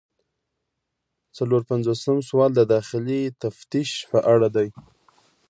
څلور پنځوسم سوال د داخلي تفتیش په اړه دی.